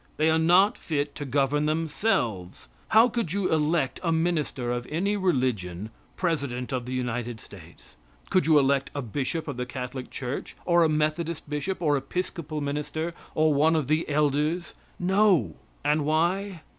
They are not fit to govern themselves. How could you elect a minister of any religion president of the United States. Could you elect a bishop of the Catholic church, or a Methodist bishop, or Episcopal minister, or one of the elders? No. And why?